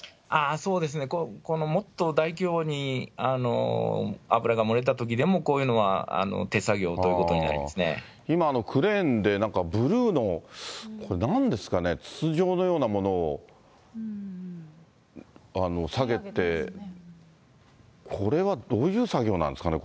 そうですね、このもっと大規模に油が漏れたときでも、こういうのは手作業とい今、クレーンでなんかブルーのこれ、なんですかね、筒状のようなものを下げて、これはどういう作業なんですかね？